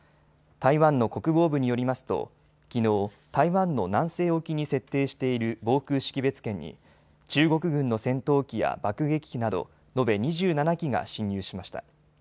台湾の国防部によりますときのう台湾の南西沖に設定している防空識別圏に中国軍の戦闘機や爆撃機など延べ２７機が進入しました。